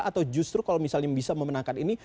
atau justru kalau misalnya bisa memenangkan ini